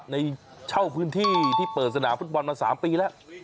เช่าพื้นที่ที่เปิดสนามฟุตบอลมา๓ปีแล้ว